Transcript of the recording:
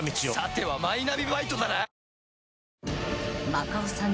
［中尾さん